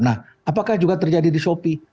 nah apakah juga terjadi di shopee